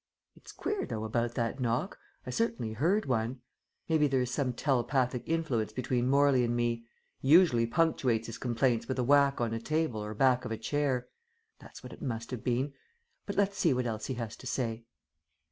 It's queer though, about that knock. I certainly heard one. Maybe there is some telepathic influence between Morley and me. He usually punctuates his complaints with a whack on a table or back of a chair. That's what it must have been; but let's see what else he has to say."